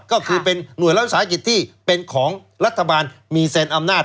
ก็คือหน่วยร่วมสาขีที่เป็นของรัฐบาล